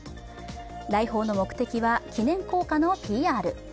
来訪の目的は、記念硬貨のＰＲ。